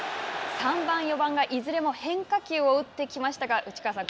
３番４番がいずれも変化球を打ってきましたか内川さん